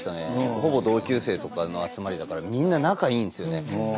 ほぼ同級生とかの集まりだからみんな仲いいんですよね。